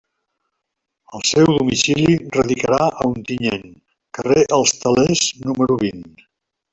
El seu domicili radicarà a Ontinyent, carrer Els Telers, número vint.